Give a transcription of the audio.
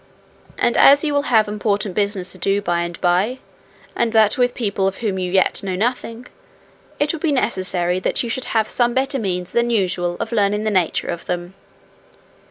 And as you will have important business to do by and by, and that with people of whom you yet know nothing, it will be necessary that you should have some better means than usual of learning the nature of them.